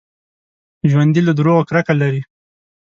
ژوندي له دروغو کرکه لري